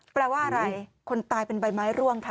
แปลว่าอะไรคนตายเป็นใบไม้ร่วงค่ะ